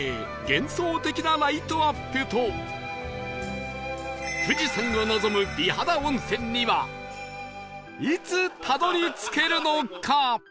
幻想的なライトアップと富士山を望む美肌温泉にはいつたどり着けるのか？